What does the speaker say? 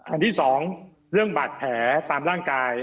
อันที่สองเรื่องบาดแผลตามร่างกาย